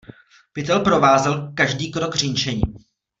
Pytel provázel každý krok řinčením.